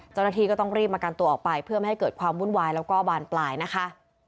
เจ้าหน้าที่ก็ต้องรีบมากันตัวออกไปเพื่อไม่ให้เกิดความวุ่นวายแล้วก็บานปลายนะคะ